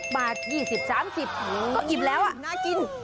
๖บาท๒๐๓๐ก็อิ่มแล้วน่ากิน